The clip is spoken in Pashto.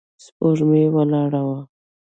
سپوږمۍ ولاړه وه.